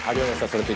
「それって！？